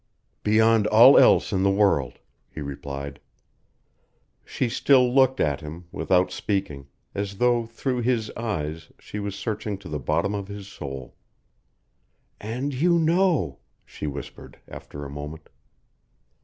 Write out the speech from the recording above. "Beyond all else in the world," he replied. She still looked at him, without speaking, as though through his eyes she was searching to the bottom of his soul. "And you know," she whispered, after a moment.